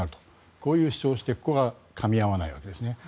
こういう主張をしてここがかみ合わないわけです。